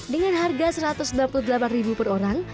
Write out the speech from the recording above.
dengan harga rp satu ratus sembilan puluh delapan per orang